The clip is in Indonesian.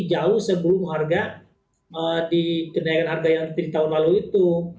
jauh sebelum harga dikenaikan harga yang di tahun lalu itu